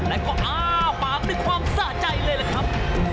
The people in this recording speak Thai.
และก็อ้าปากด้วยความสะใจเลยล่ะครับ